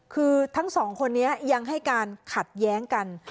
คือทั้งสองคนนี้ยังให้การขัดแย้งกัน